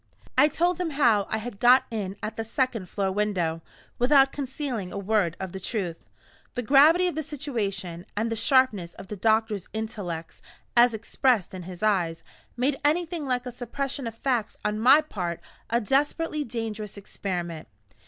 I told him how I had got in at the second floor window, without concealing a word of the truth. The gravity of the situation, and the sharpness of the doctor's intellects, as expressed in his eyes, made anything like a suppression of facts on my part a desperately dangerous experiment.